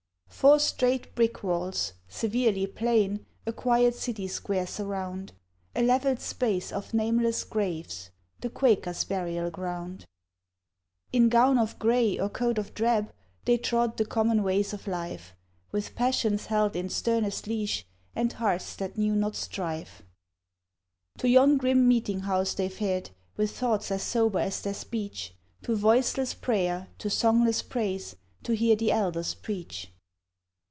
Four straight brick walls, severely plain, A quiet city square surround; A level space of nameless graves, The Quakers' burial ground. In gown of gray, or coat of drab, They trod the common ways of life, With passions held in sternest leash, And hearts that knew not strife. To yon grim meeting house they fared, With thoughts as sober as their speech, To voiceless prayer, to songless praise, To hear the elders preach.